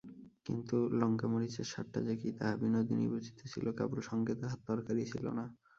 কিন্তু লঙ্কামরিচের স্বাদটা যে কী, তাহা বিনোদিনীই বুঝিতেছিল–কেবল সঙ্গে তাহার তরকারি ছিল না।